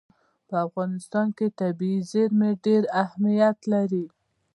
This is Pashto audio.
په افغانستان کې طبیعي زیرمې ډېر اهمیت لري.